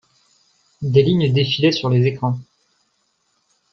Des lignes défilaient sur les écrans.